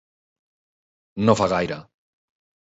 No fa gaire.